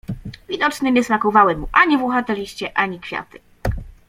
Widocznie nie smakowały mu ani włochate liście, ani kwiaty.